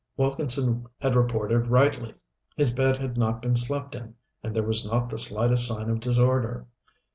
Wilkson had reported rightly his bed had not been slept in, and there was not the slightest sign of disorder.